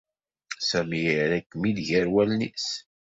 Sami yerra-kem-id gar wallen-is.